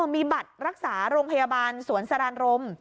มีบัตรรักษาโรงพยาบาลสวนสรานรม